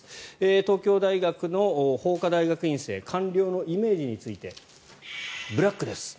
東京大学の法科大学院生官僚のイメージについてブラックです。